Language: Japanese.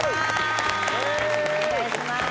お願いしまーす。